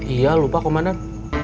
iya lupa komandan